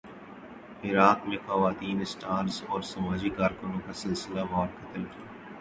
عراق میں خواتین اسٹارز اور سماجی کارکنوں کا سلسلہ وار قتل کیوں